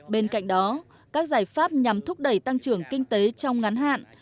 bên cạnh đó các giải pháp nhằm thúc đẩy tăng trưởng kinh tế trong ngắn hạn